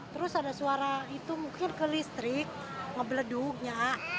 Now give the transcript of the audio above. terus ada suara itu mungkin ke listrik ngebeleduknya